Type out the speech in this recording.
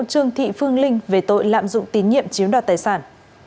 trương thị phương linh về tội lạm dụng tín nhiệm chiếm đoạt tài sản